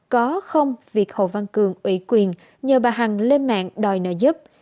có không việc hồ văn cường ủy quyền nhờ bà hằng lên mạng đòi nợ giúp